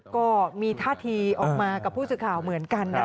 ก็มีท่าทีออกมากับผู้ศึกคาวเหมือนกัน